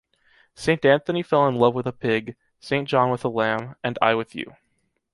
Saint Anthony fell in love with a pig, Saint John with a lamb, and I with you.